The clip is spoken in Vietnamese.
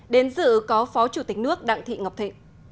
đến dự có phó chủ tịch nước đặng thị ngọc thịnh